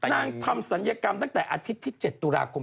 ทำศัลยกรรมตั้งแต่อาทิตย์ที่๗ตุลาคม